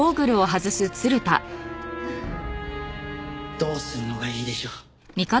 どうするのがいいでしょう？